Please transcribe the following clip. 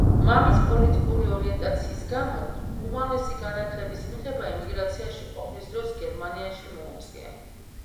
მამის პოლიტიკური ორიენტაციის გამო უმაღლესი განათლების მიღება ემიგრაციაში ყოფნის დროს გერმანიაში მოუწია.